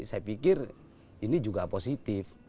saya pikir ini juga positif